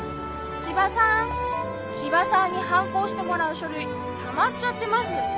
「千葉さん」「千葉さんにハンコ押してもらう書類たまっちゃってます。